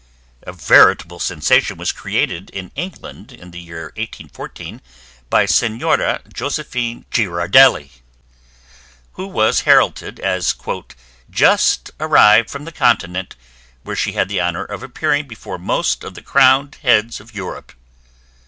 A veritable sensation was created in England in the year 1814 by Senora Josephine Girardelli, who was heralded as having "just arrived from the Continent, where she had the honor of appearing before most of the crowned heads of Europe."